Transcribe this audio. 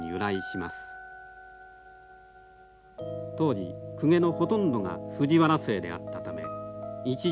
当時公家のほとんどが藤原姓であったため一条二条